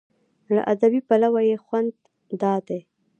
له ادبي پلوه یې هم خوند دا دی.